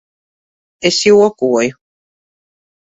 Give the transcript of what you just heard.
Es jokoju.